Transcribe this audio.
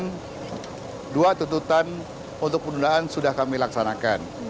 aspirasi publik sekali lagi saya tegaskan dua tuntutan untuk perundahan sudah kami laksanakan